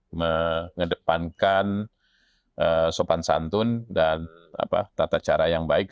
bagaimana kita menghadap gitu ya bagaimana kita mengedepankan sopan santun dan tata cara yang baik